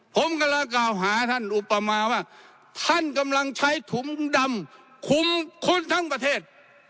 ผมกำลังกล่าวหาท่านอุปมาว่าท่านกำลังใช้ถุงดำคุมคนทั้งประเทศ